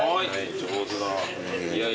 上手だ。